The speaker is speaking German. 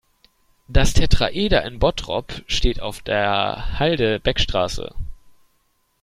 Das Tetraeder in Bottrop steht auf der Halde Beckstraße.